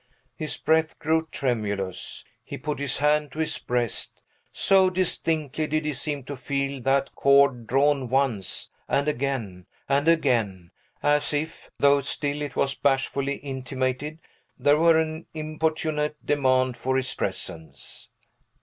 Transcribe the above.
His breath grew tremulous. He put his hand to his breast; so distinctly did he seem to feel that cord drawn once, and again, and again, as if though still it was bashfully intimated there were an importunate demand for his presence.